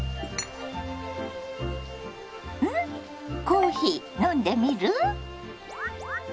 コーヒー飲んでみる？